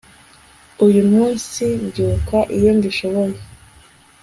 uyu munsi mbyuka iyo mbishoboye